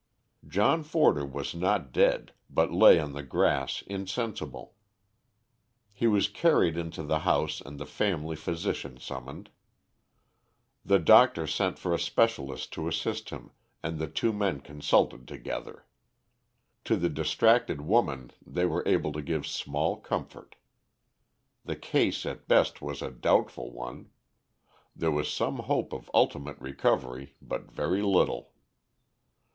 John Forder was not dead, but lay on the grass insensible. He was carried into the house and the family physician summoned. The doctor sent for a specialist to assist him, and the two men consulted together. To the distracted woman they were able to give small comfort. The case at best was a doubtful one. There was some hope of ultimate recovery, but very little.